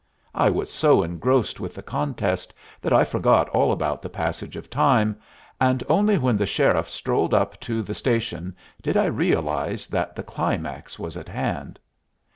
I was so engrossed with the contest that I forgot all about the passage of time, and only when the sheriff strolled up to the station did I realize that the climax was at hand.